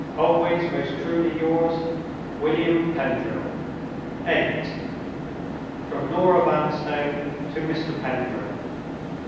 "Always most truly yours, "WILLIAM PENDRIL." VIII. From Norah Vanstone to Mr. Pendril.